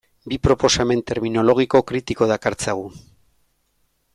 Bi proposamen terminologiko kritiko dakartzagu.